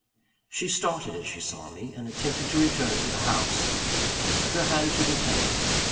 She started as she saw me, and attempted to return to the house. I took her hand to detain her.